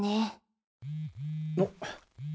おっ。